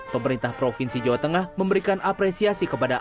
pemerintah provinsi jawa tengah memberikan apresiasi kepada